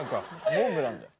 モンブランだよ。